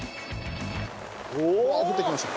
うわあ降ってきました。